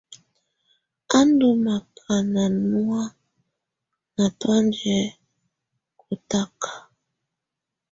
Á ndù makaàna nɔ̀á ná tɔ̀ánjɛ̀ kɔtaka.